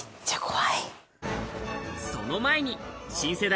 その前に新世代